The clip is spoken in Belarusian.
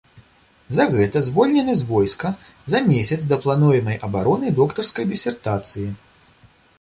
За гэта звольнены з войска за месяц да плануемай абароны доктарскай дысертацыі.